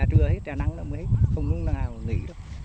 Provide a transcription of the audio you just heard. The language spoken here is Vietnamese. trưa hết ra nắng là không hết không lúc nào nghỉ đâu